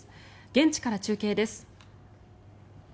現地から中継です。